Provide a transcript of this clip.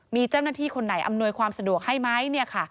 มีเจ้าหน้าที่คนไหนอำนวยความสะดวกให้ไหม